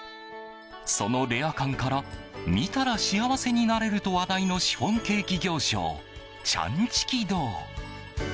そのレア感から見たら幸せになれると話題のシフォンケーキ行商ちゃんちき堂。